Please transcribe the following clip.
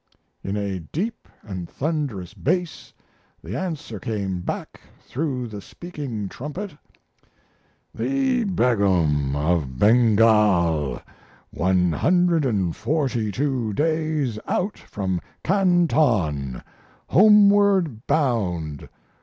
In a deep and thunderous bass the answer came back through the speaking trumpet, "The Begum, of Bengal 142 days out from Canton homeward bound!